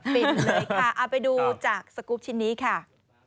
ฟินเลยค่ะไปดูจากสกุปชิ้นนี้ค่ะ